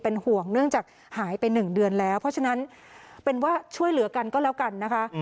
ห่วงเนื่องจากหายไป๑เดือนแล้วเพราะฉะนั้นเป็นว่าช่วยเหลือกันก็แล้วกันนะคะ